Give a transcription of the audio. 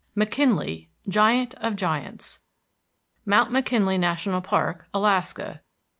V McKINLEY, GIANT OF GIANTS MOUNT MCKINLEY NATIONAL PARK, ALASKA.